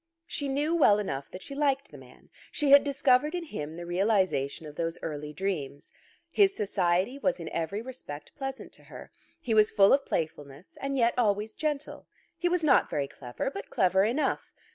She knew well enough that she liked the man. She had discovered in him the realization of those early dreams. His society was in every respect pleasant to her. He was full of playfulness, and yet always gentle. He was not very clever, but clever enough.